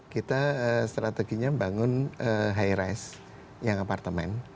kita strateginya membangun high rice yang apartemen